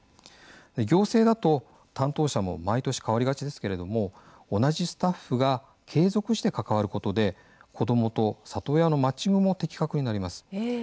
行政だと担当者も毎年変わりがちですけれども同じスタッフが継続して関わることで子どもと里親のマッチングも的確になります。